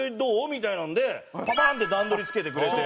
みたいなのでパパーンって段取りつけてくれて。